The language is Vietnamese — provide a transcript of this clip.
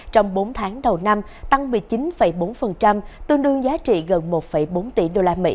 trong bốn tháng đầu năm tăng một mươi chín bốn tương đương giá trị gần một bốn tỷ usd